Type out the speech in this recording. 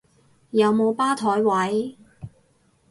有冇吧枱位？